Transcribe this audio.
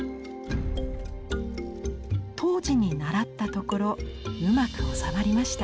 東寺にならったところうまくおさまりました。